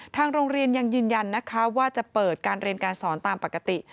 ทางโรงเรียนยังยืนยันนะคะว่าจะเปิดการเรียนการสอนตามปกติ